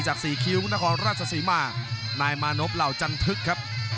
สี่คิ้วนครราชศรีมานายมานพเหล่าจันทึกครับ